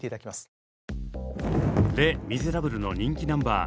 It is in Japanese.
「レ・ミゼラブル」の人気ナンバー